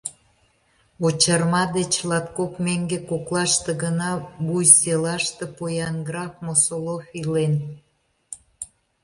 ...Вочарма деч латкок меҥге коклаште гына Буй селаште поян граф Мосолов илен.